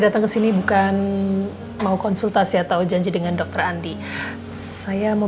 datang ke sini bukan mau konsultasi atau janji dengan dokter andi saya mau